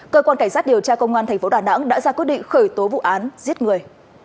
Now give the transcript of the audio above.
cơ quan cảnh sát điều tra công an tp đà nẵng đã ra quyết định khởi tố vụ án giết người